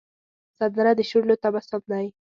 سندره د شونډو تبسم دی